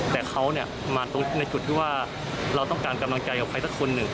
แต่เขามาตรงในจุดที่ว่าเราต้องการกำลังใจกับใครสักคนหนึ่ง